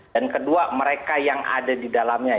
dan kedua mereka yang ada di dalamnya